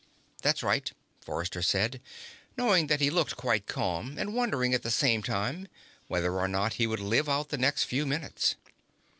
"That's right," Forrester said, knowing that he looked quite calm, and wondering, at the same time, whether or not he would live out the next few minutes.